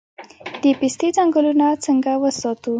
د پستې ځنګلونه څنګه وساتو؟